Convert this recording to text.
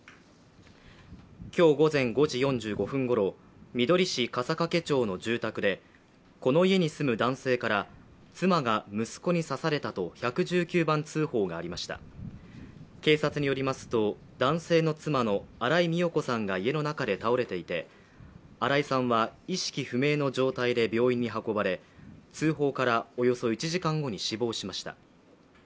今日午前５時４５分ごろ、みどり市笠懸町の住宅でこの家に住む男性から、妻が息子に刺されたと１１９番通報がありました警察によりますと、男性の妻の新井美代子さんが家の中で倒れていて、新井さんは意識不明の状態で病院に運ばれ、通報からおよそ１時間後に死亡しました。